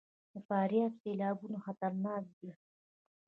د فاریاب سیلابونه خطرناک دي